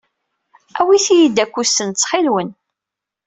Awit-iyi-d akusen ttxil-wen.